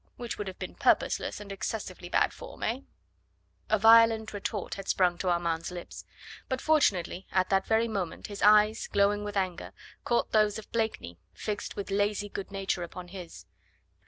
Which would have been purposeless and excessively bad form. Eh?" A violent retort had sprung to Armand's lips. But fortunately at that very moment his eyes, glowing with anger, caught those of Blakeney fixed with lazy good nature upon his.